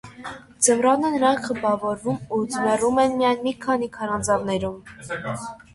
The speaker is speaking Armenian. Ձմռանը նրանք խմբավորվում ու ձմեռում են միայն մի քանի քարանձավներում։